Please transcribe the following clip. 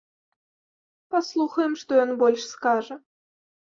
Паслухаем, што ён больш скажа.